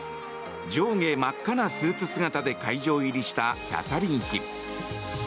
上下真っ赤なスーツ姿で会場入りしたキャサリン妃。